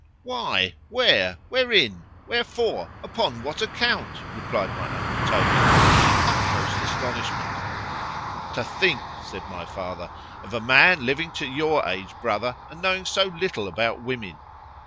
——Why?——Where?——Wherein?——Wherefore?——Upon what account? replied my uncle Toby: in the utmost astonishment.—To think, said my father, of a man living to your age, brother, and knowing so little about women!